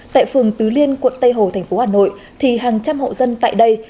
tại phường tứ liên quận tây hồ thành phố hà nội thì hàng trăm hộ dân tại đây